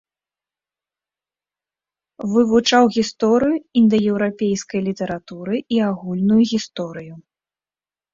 Вывучаў гісторыю індаеўрапейскай літаратуры і агульную гісторыю.